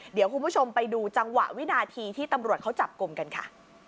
เดี๋ยวคุณผู้ชมไปดูจังหวะวินาทีที่ตำรวจเขาจับกลุ่มกันค่ะ